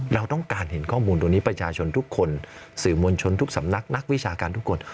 เราต้องการเห็นข้อมูลตรงนี้ประชาชนทุกคนสื่อมวลชนทุกสำนักนักวิชาการทุกคน